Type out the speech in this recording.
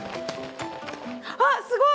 あっすごい！